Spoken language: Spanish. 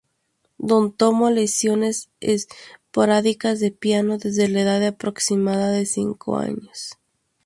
Don tomó lecciones esporádicas de piano desde la edad de aproximada de cinco años.